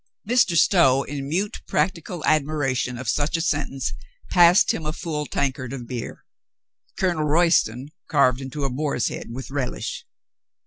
Mr. Stow, in mute practical admiration of such a sentence, passed him a full tankard of beer. Colonel Royston carved into a boar's head with relish.